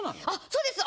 そうです。